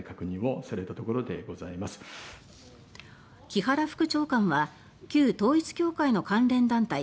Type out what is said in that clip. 木原副長官は旧統一教会の関連団体